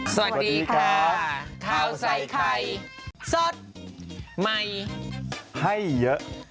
สวัสดีค่ะข้าวใส่ไข่สดใหม่ให้เยอะ